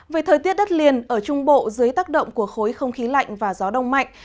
về thời tiết đất liền ở trung bộ dưới tác động của khối không khí lạnh và gió đông mạnh